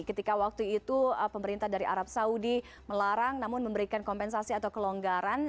ketika waktu itu pemerintah dari arab saudi melarang namun memberikan kompensasi atau kelonggaran